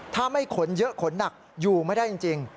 ถ้าไม่ขนเยอะขนหนักอยู่ไม่ได้จริง